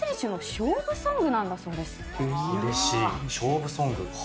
勝負ソング。